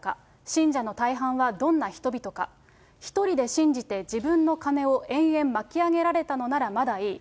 信者の大半はどんな人々か、１人で信じて自分の金を延々巻き上げられたのならまだいい。